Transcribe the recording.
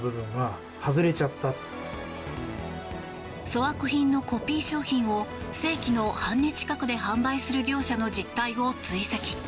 粗悪品のコピー商品を正規の半値近くで販売する業者の実態を直撃。